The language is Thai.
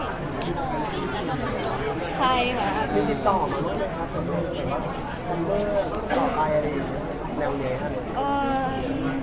วีต่อมากเลย